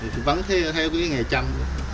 thì vẫn theo cái nghề chăm